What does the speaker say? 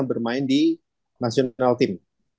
bermain di national team